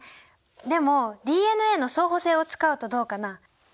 でもＤＮＡの相補性を使うとどうかな。